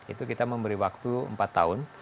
itu kita memberi waktu empat tahun